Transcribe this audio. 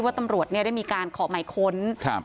ตำรวจเนี่ยได้มีการขอหมายค้นครับ